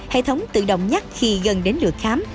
hệ thống tự động nhắc khi gần đến lượt khám